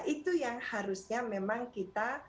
itu yang harusnya memang kita